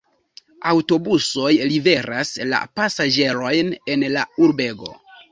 Aŭtobusoj liveras la pasaĝerojn en la urbego.